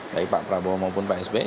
baik pak prabowo maupun pak sby